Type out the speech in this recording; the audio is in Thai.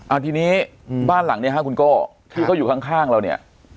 เอาทีนี้บ้านหลังเนี้ยฮะคุณโก้ที่เขาอยู่ข้างข้างเราเนี่ย